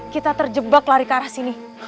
kita terjebak lari ke arah sini